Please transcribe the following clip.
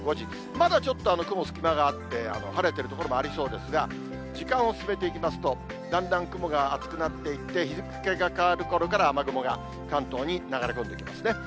まだちょっと雲、隙間があって、晴れてる所もありそうですが、時間を進めていきますと、だんだん雲が厚くなっていて、日付が変わるころから、雨雲が関東に流れ込んできますね。